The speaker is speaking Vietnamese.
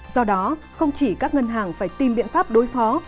do đó không chỉ các ngân hàng phải tìm biện pháp đối phó